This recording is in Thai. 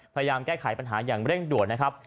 พยายามแก้ไขปัญหาอย่างเร่งด่วนนะครับ